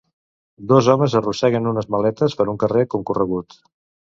Dos homes arrosseguen unes maletes per un carrer concorregut.